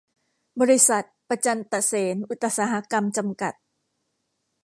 บริษัท ประจันตะเสนอุตสาหกรรม จำกัด